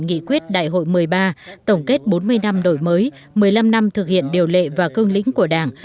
nghị quyết đại hội một mươi ba tổng kết bốn mươi năm đổi mới một mươi năm năm thực hiện điều lệ và cương lĩnh của đảng